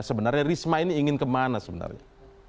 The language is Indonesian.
sebenarnya risma ini ingin kemana sebenarnya